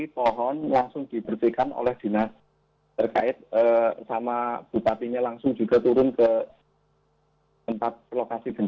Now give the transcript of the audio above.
banyak sekali pohon yang tumbang